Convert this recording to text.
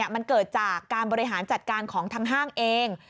มันเกิดจากการบริหารจัดการของทางห้างเอง